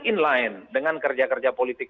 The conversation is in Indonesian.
in line dengan kerja kerja politik